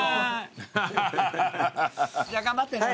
じゃあ頑張ってね。